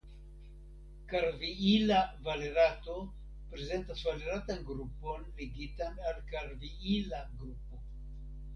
Karviila valerato prezentas valeratan grupon ligitan al karviila grupo.